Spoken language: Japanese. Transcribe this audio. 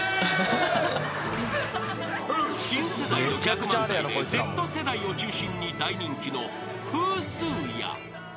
［新世代のギャグ漫才でＺ世代を中心に大人気のフースーヤ］